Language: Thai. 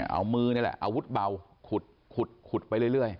เอามือเอาอวุฒิเบาขุดไปเรื่อย